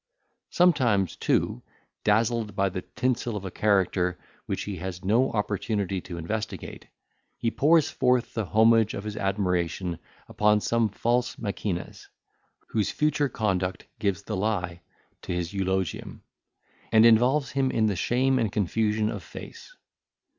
Sometimes too, dazzled by the tinsel of a character which he has no opportunity to investigate, he pours forth the homage of his admiration upon some false Maecenas, whose future conduct gives the lie to his eulogium, and involves him in shame and confusion of face.